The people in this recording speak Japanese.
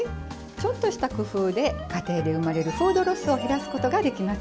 ちょっとした工夫で家庭で生まれるフードロスを減らすことができますよ。